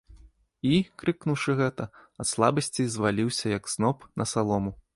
І, крыкнуўшы гэта, ад слабасці зваліўся, як сноп, на салому.